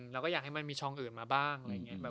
เราก็อยากให้มันมีช่องอื่นมาบ้าง